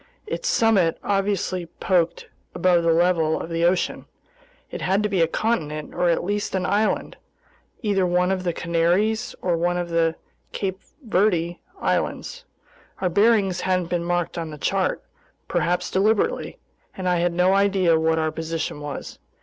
Its summit obviously poked above the level of the ocean. It had to be a continent or at least an island, either one of the Canaries or one of the Cape Verde Islands. Our bearings hadn't been marked on the chart—perhaps deliberately—and I had no idea what our position was.